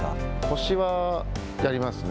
腰はやりますね。